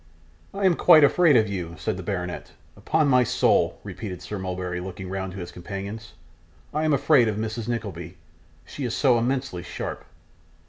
'I am quite afraid of you,' said the baronet. 'Upon my soul,' repeated Sir Mulberry, looking round to his companions; 'I am afraid of Mrs Nickleby. She is so immensely sharp.